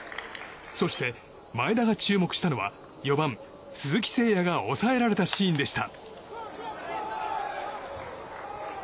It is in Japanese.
そして、前田が注目したのは４番、鈴木誠也が抑えられたシーンでした。